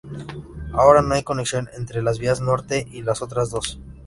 Ahora no hay conexión entre las vías norte y las otras dos.